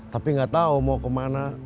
tapi gak tau mau kemana